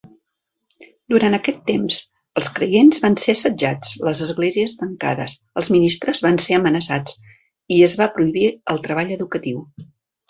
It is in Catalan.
Durant aquest temps, els creients van ser assetjats, les esglésies tancades, els ministres van ser amenaçats i es va prohibir el treball educatiu.